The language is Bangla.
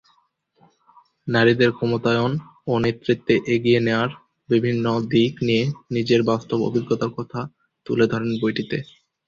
নারীদের ক্ষমতায়ন ও নেতৃত্বে এগিয়ে নেওয়ার বিভিন্ন দিক নিয়ে নিজের বাস্তব অভিজ্ঞতার কথা তুলে ধরেন বইটিতে।